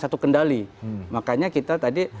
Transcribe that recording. satu kendali makanya kita tadi